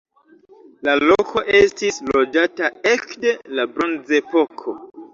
La loko estis loĝata ekde la bronzepoko.